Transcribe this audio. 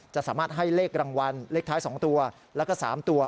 จะสามารถให้เลขรางวัลเลขท้าย๒ตัวแล้วก็๓ตัว